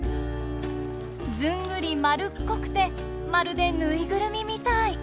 ずんぐり丸っこくてまるでぬいぐるみみたい。